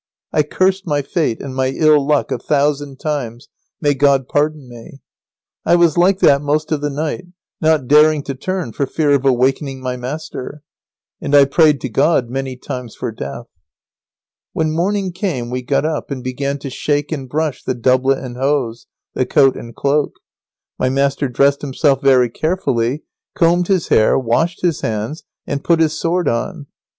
I cursed my fate and my ill luck a thousand times, may God pardon me! I was like that most of the night, not daring to turn for fear of awakening my master; and I prayed to God many times for death. [Sidenote: The esquire attends to his outward appearance.] When morning came we got up and began to shake and brush the doublet and hose, the coat and cloak. My master dressed himself very carefully, combed his hair, washed his hands, and put his sword on.